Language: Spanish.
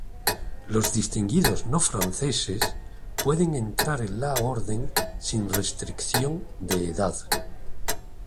Los distinguidos no franceses pueden entrar en la Orden sin restricción de edad.